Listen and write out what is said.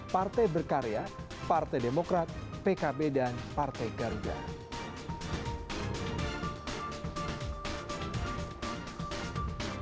partai berkarya partai demokrat pkb dan partai garuda